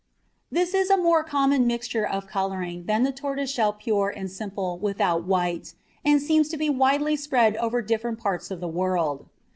This is a more common mixture of colouring than the tortoiseshell pure and simple without white, and seems to be widely spread over different parts of the world.